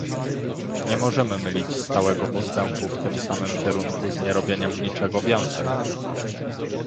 Nie możemy mylić stałego postępu w tym samym kierunku z nierobieniem niczego więcej